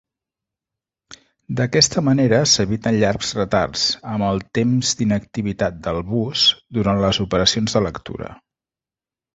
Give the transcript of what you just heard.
D'aquesta manera s'eviten llargs retards, amb el temps d'inactivitat del bus, durant les operacions de lectura.